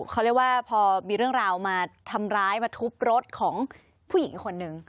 เขาเรียกว่าพอมีเรื่องราวมาทำร้ายมาทุบรถของผู้หญิงคนหนึ่ง